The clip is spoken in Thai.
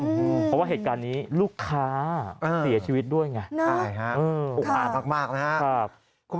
เพราะว่าเหตุการณ์นี้ลูกค้าเสียชีวิตด้วยไงใช่ฮะอุกอาดมากนะครับ